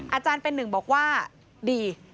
อาจารย์เป็นหนึ่งบอกว่าดี